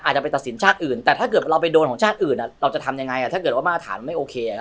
อาจจะไปตัดสินชาติอื่นแต่ถ้าเกิดเราไปโดนของชาติอื่นเราจะทำยังไงถ้าเกิดว่ามาตรฐานไม่โอเค